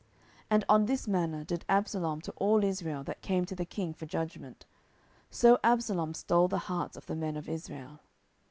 10:015:006 And on this manner did Absalom to all Israel that came to the king for judgment: so Absalom stole the hearts of the men of Israel.